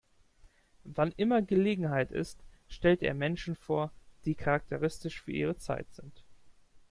Wann immer Gelegenheit ist, stellt er Menschen vor, die charakteristisch für ihre Zeit sind.